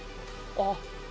あっ。